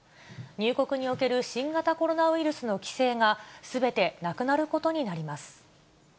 入国における新型コロナウイルスの規制が、すべてなくなることになります。